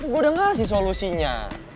gue udah ngasih solusinya